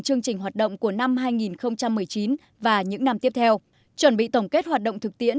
chương trình hoạt động của năm hai nghìn một mươi chín và những năm tiếp theo chuẩn bị tổng kết hoạt động thực tiễn